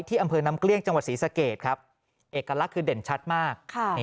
อำเภอน้ำเกลี้ยงจังหวัดศรีสะเกดครับเอกลักษณ์คือเด่นชัดมาก